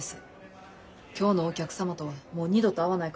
今日のお客様とはもう二度と会わないかもしれません。